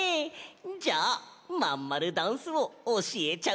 じゃあまんまるダンスをおしえちゃうぞ。